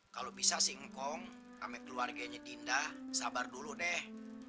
kalau bisa sih ngomong amek keluarganya dinda sabar dulu deh